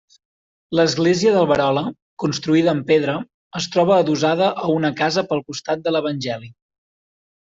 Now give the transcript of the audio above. L'església d'Alberola, construïda en pedra, es troba adossada a una casa pel costat de l'Evangeli.